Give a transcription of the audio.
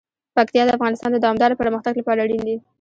پکتیا د افغانستان د دوامداره پرمختګ لپاره اړین دي.